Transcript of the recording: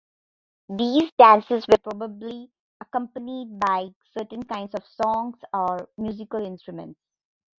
These dances were probably accompanied by certain kinds of songs or musical instruments.